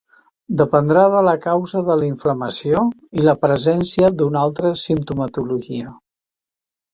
Dependrà de la causa de la inflamació i la presència d'una altra simptomatologia.